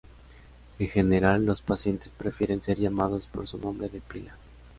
En general, los pacientes prefieren ser llamados por su nombre de pila.